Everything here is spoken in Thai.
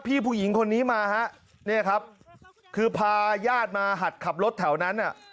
ผู้หญิงคนนี้มาฮะเนี่ยครับคือพาญาติมาหัดขับรถแถวนั้นน่ะ